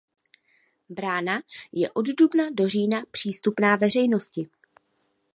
Brána je od dubna do října přístupná veřejnosti.